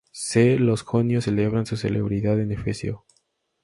C, los jonios celebraban su festival en Éfeso.